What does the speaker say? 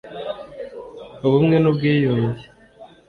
ubumwe n’ubwiyunge